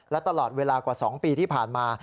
และตลอดเวลากว่า๒ปีที่ผ่านมา